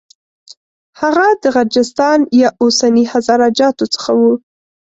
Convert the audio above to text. هغه د غرجستان یا اوسني هزاره جاتو څخه و.